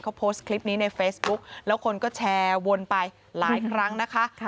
เขาโพสต์คลิปนี้ในเฟซบุ๊กแล้วคนก็แชร์วนไปหลายครั้งนะคะ